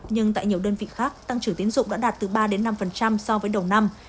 nhưng tại nhiều đơn vị khác tăng trưởng tiến dụng đã đạt từ ba năm so với đầu năm